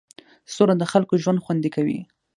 سوله د خلکو ژوند خوندي کوي.